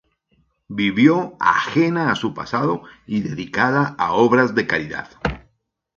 Vivió ajena a su pasado y dedicada a obras de caridad.